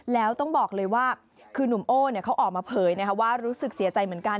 แล้วต้องบอกเลยว่าคือนุ่มโอ้เขาออกมาเผยว่ารู้สึกเสียใจเหมือนกัน